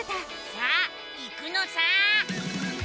さあ行くのさ！